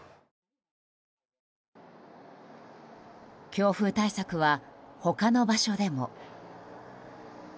強風対策は、他の場所でも。